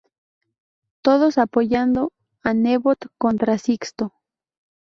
Todos apoyando a Nebot contra Sixto.